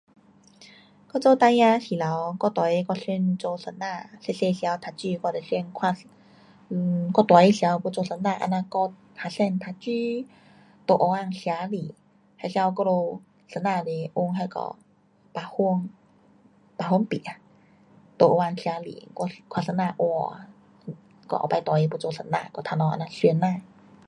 我做孩儿的时头，我大个我想做先生，小小时头读书我就想看，呃，我大个时头要做先生这样教学生读书在黑板写字，那时间我们先生是用那个白粉，白粉笔啊，在黑板写字，我先生，哇，我后次大个要做先生，我头脑这样想呐。